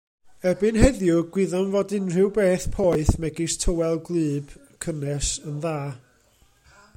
Erbyn heddiw, gwyddom fod unrhyw beth poeth megis tywel gwlyb, cynnes yn dda.